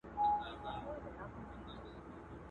o له څاڅکو څاڅکو څه درياب جوړېږي!